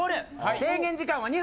制限時間は２分。